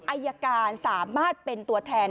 อายการสามารถเป็นตัวแทน